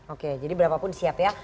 oke jadi berapapun siap ya